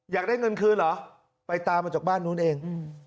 อยากได้เงินคืนเหรอไปตามมาจากบ้านนู้นเอง